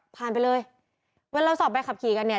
ไปเลยเวลาเราสอบใบขับขี่กันเนี่ย